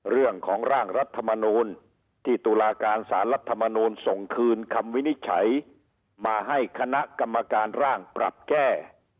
เรื่องของร่างรัฐมนูลที่ตุลาการสารรัฐมนูลส่งคืนคำวินิจฉัยมาให้คณะกรรมการร่างปรับแก้